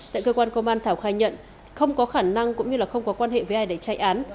tại cơ quan công an thảo khai nhận không có khả năng cũng như không có quan hệ với ai để chạy án